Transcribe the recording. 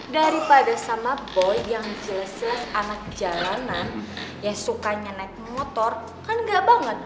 daripada sama boy yang jelas jelas anak jalanan yang sukanya naik motor kan gak banget